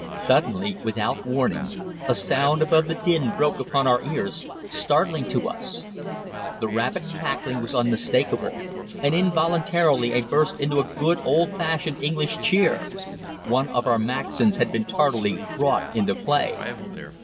Suddenly, without warning, a sound above the din broke upon our ears, startling us. The rapid cackling was unmistakable, and involuntarily I burst into a good old fashioned English cheer. One of our Maxims had been tardily brought into play!